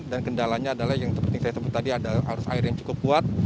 dan kendalanya adalah yang seperti yang saya sebut tadi ada arus air yang cukup kuat